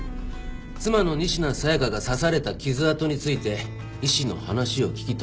妻の仁科紗耶香が刺された傷痕について医師の話を聞きたいと言いだした。